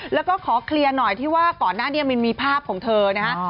แล้วก็ขอเคลียร์หน่อยที่ว่าก่อนหน้านี้มันมีภาพของเธอนะฮะ